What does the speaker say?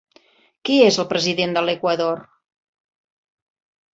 Qui és el president de l'Equador?